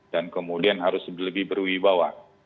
dan kemudian harus lebih berwibawa